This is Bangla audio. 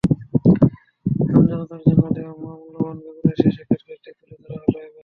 আমজনতার জন্য দেওয়া মহামূল্যবান বেগুনের সেই সাক্ষাৎকারটি তুলে ধরা হলো এবার।